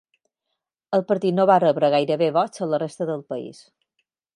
El partit no va rebre gairebé vots a la resta del país.